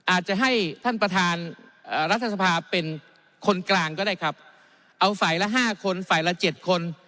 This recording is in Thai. อาจจะให้ท่านประธานรัฐสภาเป็นคนกลางก็ได้ครับเอาฝ่ายละห้าคนฝ่ายละเจ็ดคน